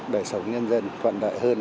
đời sống nhân dân toàn đại hơn